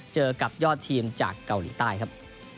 เจอกับยอดทีมจากเกาหลีใต้ครับ